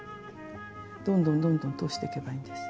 どんどんどんどん通していけばいいんです。